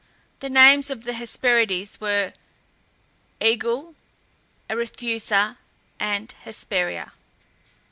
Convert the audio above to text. The names of the Hesperides were Aegle, Arethusa, and Hesperia.